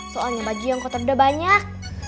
soalnya baju yang kotor udah banyak